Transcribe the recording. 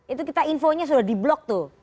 itu kita infonya sudah di blok tuh